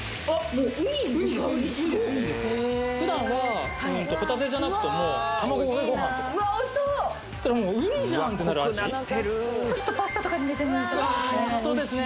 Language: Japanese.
もう普段はホタテじゃなくても卵かけご飯とかうわおいしそうもうウニじゃんってなる味ちょっとパスタとかに入れてもよさそうですね